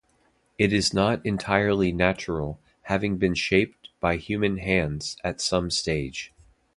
It is not entirely natural, having been shaped by human hands at some stage.